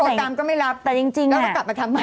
โทรตามก็ไม่รับแล้วก็กลับมาทำใหม่